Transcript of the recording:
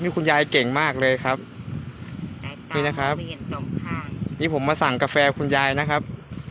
นี่คุณยายเก่งมากเลยครับนี่นะครับนี่ผมมาสั่งกาแฟคุณยายนะครับ